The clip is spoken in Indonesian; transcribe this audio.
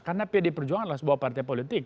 karena pd perjuangan adalah sebuah partai politik